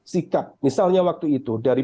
sikap misalnya waktu itu dari